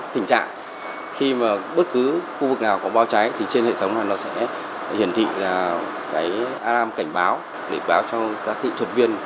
tình trạng khi bất cứ khu vực nào có bao cháy thì trên hệ thống nó sẽ hiển thị cái alarm cảnh báo để báo cho các thị thuật viên